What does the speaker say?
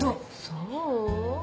そう？